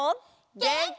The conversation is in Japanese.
げんき！